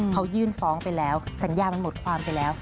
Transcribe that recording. เขายื่นฟ้องไปแล้วสัญญามันหมดความไปแล้ว